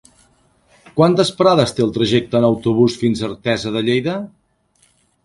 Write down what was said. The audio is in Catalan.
Quantes parades té el trajecte en autobús fins a Artesa de Lleida?